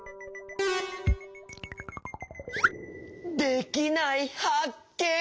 できないはっけん！